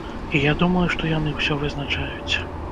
І я думаю, што яны ўсё вызначаюць.